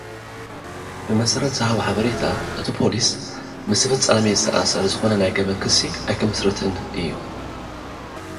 ብመሰረት ዝሃቦ ሓበሬታ፡ እቲ ፖሊስ ምስቲ ፍጻሜ ዝተኣሳሰር ዝኾነ ናይ ገበን ክሲ ኣይክምስርትን እዩ።